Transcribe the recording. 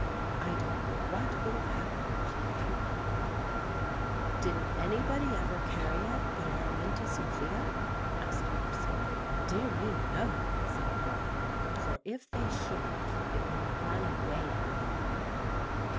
I don't know what would have happened if she hadn't hung it up there." "Didn't anybody ever carry it but Araminta Sophia?" asked Percy. "Dear me, no," said Polly; "for if they should, it would run away with them."